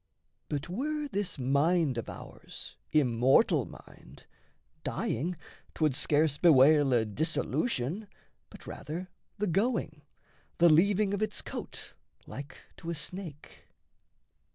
But were this mind of ours immortal mind, Dying 'twould scarce bewail a dissolution, But rather the going, the leaving of its coat, Like to a snake.